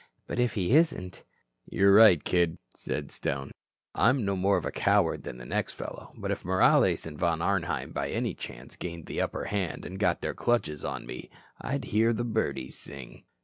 But if he isn't " "You're right, kid," said Stone. "I'm no more of a coward than the next fellow. But if Morales and Von Arnheim by any chance gained the upper hand and got their clutches on me, I'd hear the birdies sing."